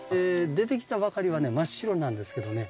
出てきたばかりはね真っ白なんですけどね